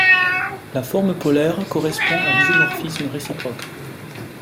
La forme polaire correspond à l'isomorphisme réciproque.